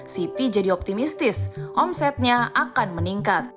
siti jadi optimistis omsetnya akan meningkat